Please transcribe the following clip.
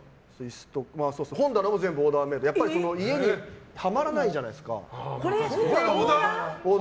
本棚も全部オーダーメイドで家にはまらないじゃないですか。